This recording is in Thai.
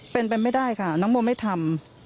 เป็นไปไม่ได้ค่ะน้องโมไม่ทำ